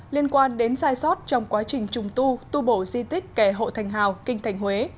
liên quan đến sai sót trong quá trình trùng tu tu bổ di tích kẻ hộ thành hào kinh thành huế